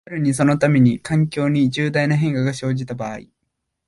しかるにそのために、環境に重大な変化が生じた場合、